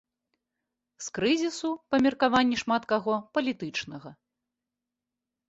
З крызісу, па меркаванні шмат каго, палітычнага.